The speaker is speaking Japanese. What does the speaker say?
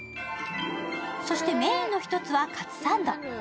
そしてメーンの一つはカツサンド。